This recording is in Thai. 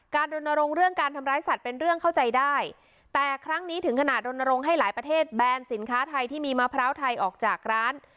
รณรงค์เรื่องการทำร้ายสัตว์เป็นเรื่องเข้าใจได้แต่ครั้งนี้ถึงขนาดรณรงค์ให้หลายประเทศแบนสินค้าไทยที่มีมะพร้าวไทยออกจากร้าน